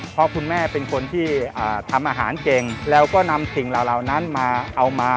เพราะคุณแม่เป็นคนที่ทำอาหารเก่งแล้วก็นำสิ่งเหล่านั้นมาเอามา